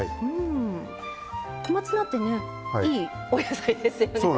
小松菜っていいお野菜ですよね。